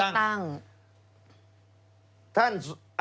การเลือกตั้ง